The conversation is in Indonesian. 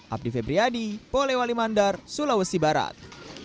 abdi febriyadi polewali mandar sulawesi barat